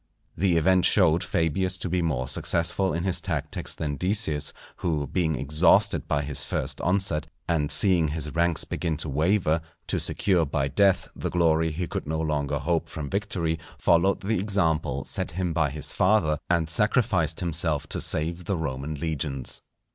The event showed Fabius to be more successful in his tactics than Decius, who being exhausted by his first onset, and seeing his ranks begin to waver, to secure by death the glory he could no longer hope from victory, followed the example set him by his father, and sacrificed himself to save the Roman legions.